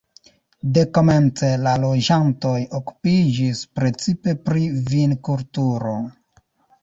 Dekomence la loĝantoj okupiĝis precipe pri vinkulturo.